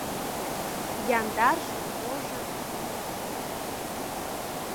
— Яндарже-можо...